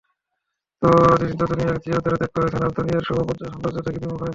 তিনি তো দুনিয়াকে চিরতরে ত্যাগ করেছেন আর দুনিয়ার শোভা-সৌন্দর্য থেকে বিমুখ হয়েছেন।